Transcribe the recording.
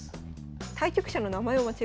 対局者の名前を間違えた？